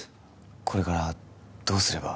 これからどうすれば・